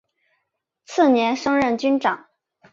次年升任军长。